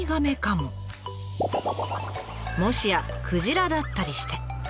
もしやクジラだったりして。